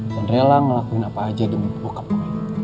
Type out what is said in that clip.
dan rela ngelakuin apa aja demi bokap gue